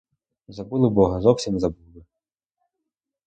Забули бога, зовсім забули!